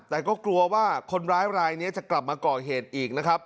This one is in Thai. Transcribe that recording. แต่ก็กลัวว่าคนร้ายรายนี้จะกลับมาก่อเหตุอีกนะครับ